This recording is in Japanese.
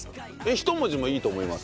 一文字もいいと思います。